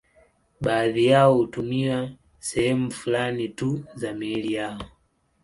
Baadhi yao hutumia sehemu fulani tu za miili yao.